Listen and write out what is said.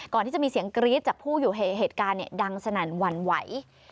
ก่อนที่จะมีเสียงกรี๊ดจากผู้อยู่เหตุการณ์ดังสนั่นหวั่นไหว